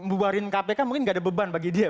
buarin kpk mungkin gak ada beban bagi dia